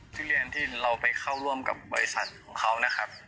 ทุเรียนที่เราไปเข้าร่วมกับบริษัทของเขานะครับ